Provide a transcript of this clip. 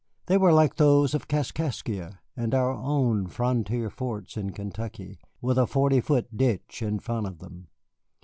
They were like those of Kaskaskia and our own frontier forts in Kentucky, with a forty foot ditch in front of them.